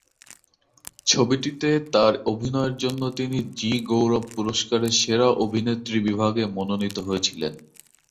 ছবিটিতে তার অভিনয়ের জন্য তিনি জি গৌরব পুরস্কারে সেরা অভিনেত্রী বিভাগে মনোনীত হয়েছিলেন।